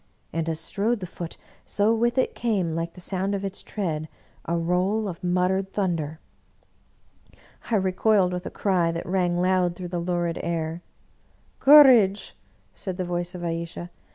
And, as strode the Foot, so with it came, like the sound of its tread, a roll of muttered thunder. I recoiled, with a cry that rang loud through the lurid air. " Courage !" said the voice of Ayesha.